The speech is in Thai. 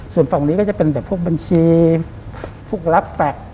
ส่วนฝั่งนี้ก็จะเป็นแบบพวกบัญชีพวกรับแฟค